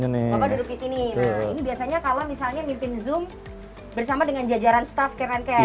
nah ini biasanya kalau misalnya mimpin zoom bersama dengan jajaran staff kmnks